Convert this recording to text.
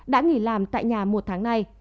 đã nghỉ làm tại nhà một tháng nay